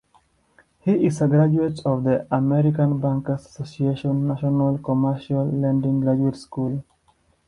He is a graduate of the American Bankers Association's National Commercial Lending Graduate School.